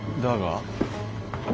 だが？